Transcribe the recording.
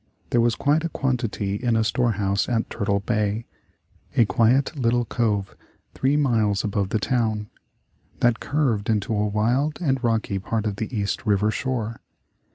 There was quite a quantity in a storehouse at Turtle Bay, a quiet little cove three miles above the town, that curved into a wild and rocky part of the East River shore.